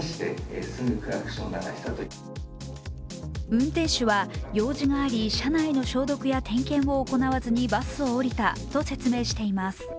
運転手は、用事があり車内の消毒や点検を行わずにバスを降りたと説明しています。